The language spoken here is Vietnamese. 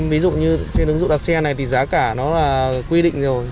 ví dụ như trên ứng dụng đạp xe này thì giá cả nó là quy định rồi